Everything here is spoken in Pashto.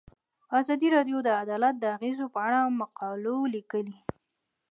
ازادي راډیو د عدالت د اغیزو په اړه مقالو لیکلي.